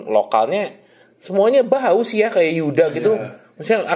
soalnya yang mau eksekusi bola